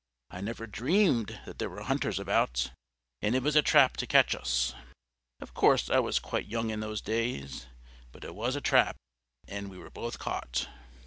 I never dreamed that there were hunters about, and it was a trap to catch us; of course I was quite young in those days. But it was a trap, and we were both caught."